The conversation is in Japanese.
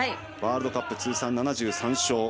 ワールドカップ通算７３勝。